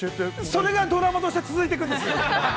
◆それがドラマとして、続いていくんです。